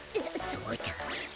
そそうだ。